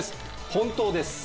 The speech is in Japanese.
本当です。